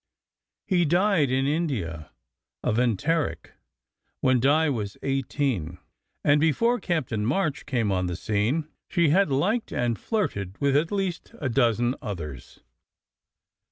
He died in India of enteric when Di was eighteen; and before Captain March came on the scene she had liked and flirted with at least a dozen others.